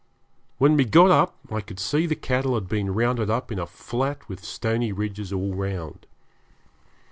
When we got up I could see the cattle had been rounded up in a flat with stony ridges all round.